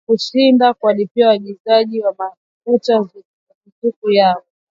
kushindwa kuwalipa waagizaji wa mafuta ruzuku yao